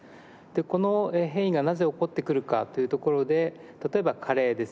この変異がなぜ起こってくるかというところで例えば加齢です。